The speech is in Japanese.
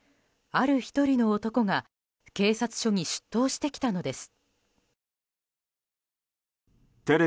ある１人の男が警察署に出頭してきたのです。